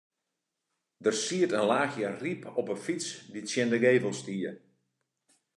Der siet in laachje ryp op 'e fyts dy't tsjin de gevel stie.